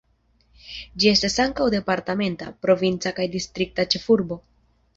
Ĝi estas ankaŭ departementa, provinca kaj distrikta ĉefurbo.